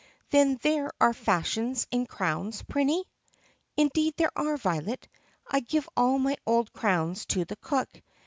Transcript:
"Then there are fashions in crowns, Prinny?" "Indeed there are, Violet. I give all my old crowns to the cook.